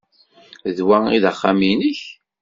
D wa ay d axxam-nnek?